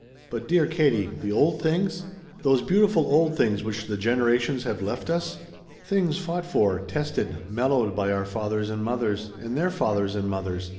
But, dear Katie the old things? Those beautiful old things which the generations have left us? Things fought for, tested, mellowed by our fathers and mothers, and their fathers and mothers?